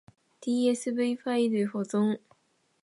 tsv ファイル保存